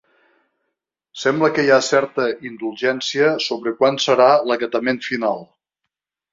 Sembla que hi ha certa indulgència sobre quan serà l'acatament final.